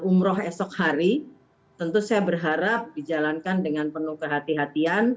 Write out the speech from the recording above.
umroh esok hari tentu saya berharap dijalankan dengan penuh kehatian antar jemaah juga eh apa salih r cagasan inquiry